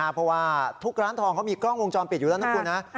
เพราะว่าทุกร้านทองเขามีกล้องวงจรปิดอยู่แล้วนะคุณนะ